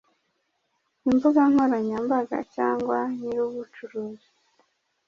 imbuga nkoranyambaga, cyangwa nyirubucuruzi